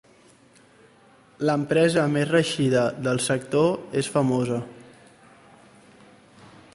L'empresa més reeixida del sector és Famosa.